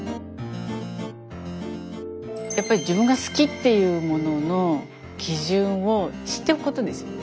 やっぱり自分が好きっていうものの基準を知っておくことですよね。